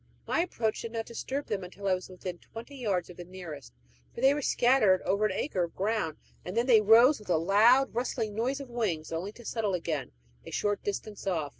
My approach did not disturb them until I was within twenty yards of the nearest for they were scattered over an acre of ground; then they rose with a loud, rustling noise of wings, only to settle again at a short distance off.